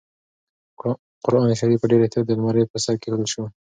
قرانشریف په ډېر احتیاط د المارۍ په سر کېښودل شو.